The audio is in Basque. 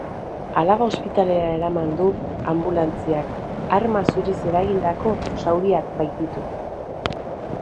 Alaba ospitalera eraman du anbulatziak, arma zuriz eragindako zauriak baititu.